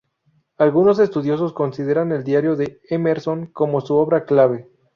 Algunos estudiosos consideran el diario de Emerson como su obra clave.